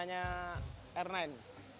shock punya r sembilan